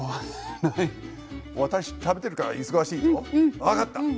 分かった！